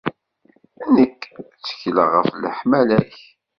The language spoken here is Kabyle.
Nekk, ttekleɣ ɣef leḥmala-k.